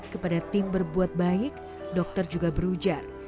kepada tim berbuat baik dokter juga berujar